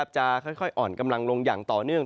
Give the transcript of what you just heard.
จะค่อยอ่อนกำลังลงอย่างต่อเนื่อง